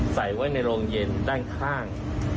ใส่ไว้ในโรงเย็นด้านข้าง